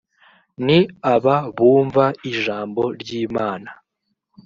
ni aba bumva ijambo ry’ imana